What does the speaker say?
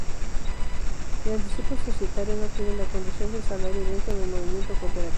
El anticipo societario no tiene la condición de salario dentro del movimiento cooperativo.